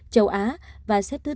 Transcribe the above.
châu á và xếp thứ bốn